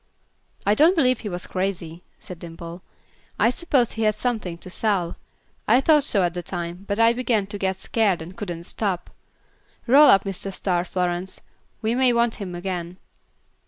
"I don't believe he was crazy," said Dimple. "I suppose he had something to sell. I thought so at the time, but I began, to get scared and couldn't stop. Roll up Mr. Star, Florence, we may want him again.